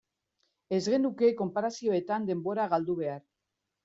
Ez genuke konparazioetan denbora galdu behar.